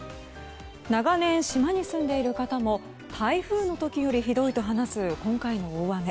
長年、島に住んでいる方も台風の時よりひどいと話す今回の大雨。